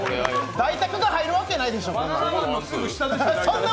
ダイタクが入るわけないでしょ。